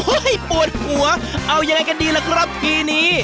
ปวดหัวเอายังไงกันดีล่ะครับทีนี้